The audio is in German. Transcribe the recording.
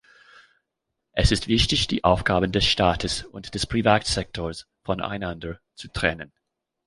Es ist wichtig, die Aufgaben des Staates und des Privatsektors voneinander zu trennen.